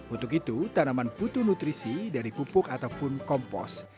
untuk itu tanaman butuh nutrisi dari pupuk ataupun kompos